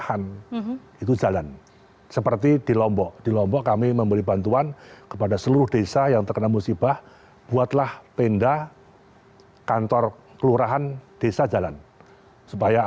kami akan secara mandiri membentuk posko yang menjamin bahwa tata kelolanya